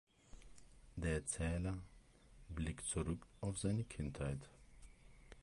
Der Erzähler blickt zurück auf seine Kindheit.